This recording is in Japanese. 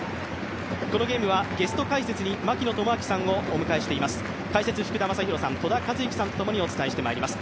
このゲームはゲスト解説に槙野智章さんをお招きしています。